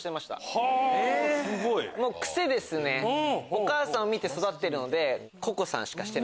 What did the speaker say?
お母さんを見て育ってるので。